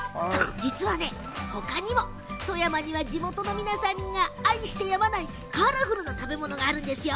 実は他にも富山には地元の皆さんが愛して止まないカラフルな食べ物があるんですよ。